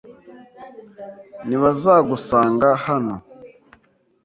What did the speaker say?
Ntibazagusanga hano .